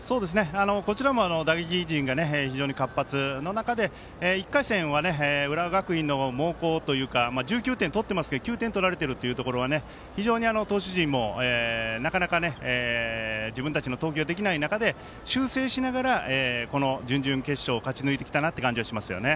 こちらも打撃陣が非常に活発な中で１回戦は浦和学院の猛攻というか１９点取ってるんですけど９点取られてるというところで非常に投手陣も、なかなか自分たちの投球ができない中で修正しながら、準々決勝を勝ち抜いてきた感じはします。